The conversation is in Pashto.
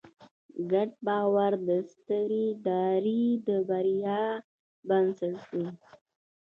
ګډ باور د سترې ادارې د بریا بنسټ دی.